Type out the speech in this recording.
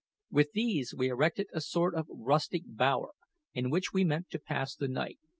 With these we erected a sort of rustic bower, in which we meant to pass the night.